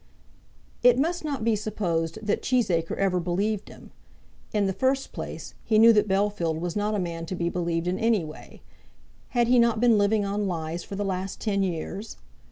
It must not be supposed that Cheesacre ever believed him. In the first place, he knew that Bellfield was not a man to be believed in any way. Had he not been living on lies for the last ten years?